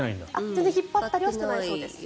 全然引っ張ったりはしてないそうです。